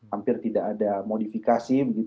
hampir tidak ada modifikasi